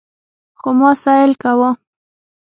خو ما سيل کاوه.